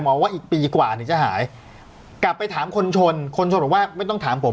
ว่าอีกปีกว่านี้จะหายกลับไปถามคนชนคนชนบอกว่าไม่ต้องถามผม